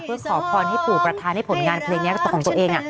เพื่อขอพรให้ปู่ประธานให้ผลงานเพลงนี้ของตัวเอง